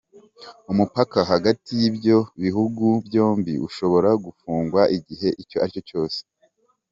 Umupaka hagati y’ibyo bihugu byombi ushobora gufungwa igihe icyo aricyo cyose.